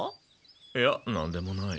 いやなんでもない。